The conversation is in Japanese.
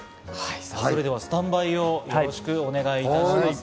それではスタンバイをよろしくお願いします。